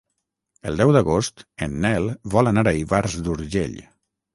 El deu d'agost en Nel vol anar a Ivars d'Urgell.